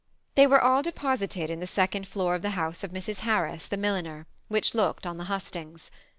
They were all depos ited in the second floor of the house of Mrs. Har ris, the milliner, which looked on the hustings.